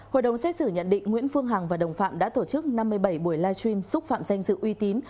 hội đồng xét xử nhận định nguyễn phương hằng và đồng phạm đã tổ chức năm mươi bảy buổi live stream xúc phạm danh dự uy tín